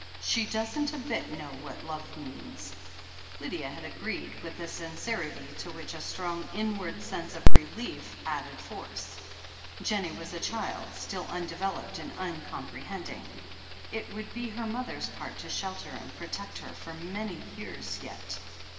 "She doesn't a bit know what love means." Lydia had agreed, with a sincerity to which a strong 368 THE HEEL OF ACHILLES inward sense of relief added force. Jennie was a diild still, tindeveloped and uncomprehending. It would be her mother's part to shelter and protect her for many years yet.